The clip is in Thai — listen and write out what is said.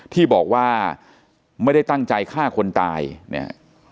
ที่บอกว่าไม่ได้ตั้งใจฆ่าคนตายเนี่ย